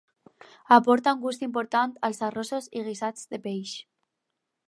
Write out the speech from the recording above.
Aporta un gust important als arrossos i guisats de peix.